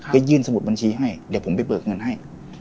ก็ยื่นสมุดบัญชีให้เดี๋ยวผมไปเบิกเงินให้